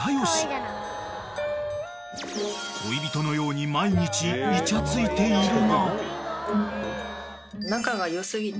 ［恋人のように毎日イチャついているが］